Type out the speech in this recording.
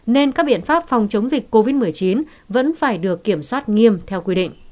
nên các biện pháp phòng chống dịch covid một mươi chín vẫn phải được kiểm soát nghiêm theo quy định